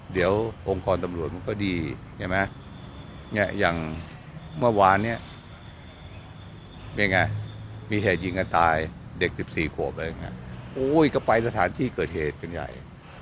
เด็ก๑๔ครบอะไรอย่างนี้ก็ไปสถานที่เกิดเหตุเป็นใหญ่